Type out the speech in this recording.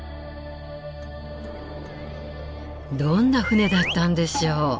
どんな船だったんでしょう？